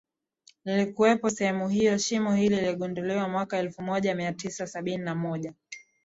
lililokuwepo sehemu hiyo Shimo hili liligunduliwa mwaka elfumoja miatisa sabini na moja